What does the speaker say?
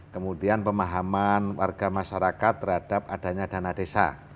kemudian pemahaman warga masyarakat terhadap adanya dana desa